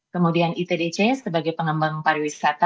kemudian itdc sebagai pengembang pariwisata